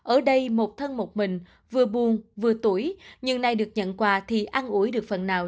ở đây một thân một mình vừa buôn vừa tuổi nhưng nay được nhận quà thì ăn ủi được phần nào